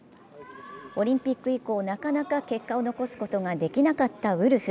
オリンピック以降、なかなか結果を残すことができなかったウルフ。